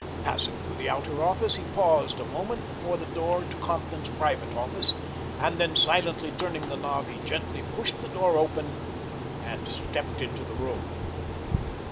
Passing through the outer office, he paused a moment before the door to Compton's private office, and then silently turning the knob he gently pushed the door open and stepped into the room.